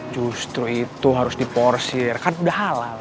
justru itu harus diporsir kan udah halal